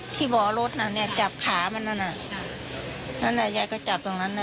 ที่บ่อรถน่ะเนี้ยจับขามันนั่นอ่ะนั่นอ่ะยายก็จับตรงนั้นน่ะ